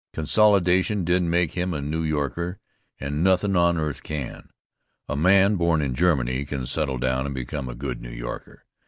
Consolidation didn't make him a New Yorker, and nothin' on earth can. A man born in Germany can settle down and become a good New Yorker.